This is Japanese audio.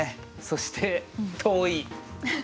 そして遠い。